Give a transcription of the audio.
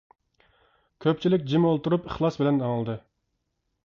كۆپچىلىك جىم ئولتۇرۇپ ئىخلاس بىلەن ئاڭلىدى.